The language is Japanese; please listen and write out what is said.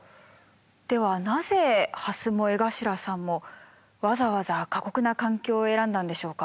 ではなぜハスも江頭さんもわざわざ過酷な環境を選んだんでしょうか？